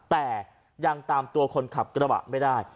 แต่ยังตามตัวคนขับกระบะไม่ได้